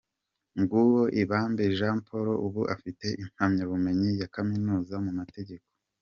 Nguwo Ibambe Jean Paul, ubu afite impamyabumenyi ya Kaminuza mu mategeko.